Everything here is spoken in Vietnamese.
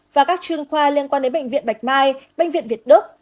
và các chuyên khoa liên quan đến bệnh viện bạch mai bệnh viện việt đức